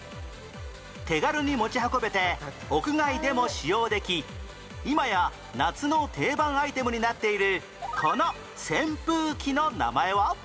手軽に持ち運べて屋外でも使用でき今や夏の定番アイテムになっているこの扇風機の名前は？